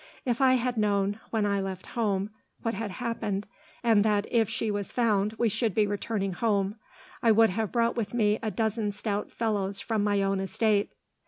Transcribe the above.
If I had known, when I left home, what had happened, and that if she was found we should be returning home, I would have brought with me a dozen stout fellows from my own estate.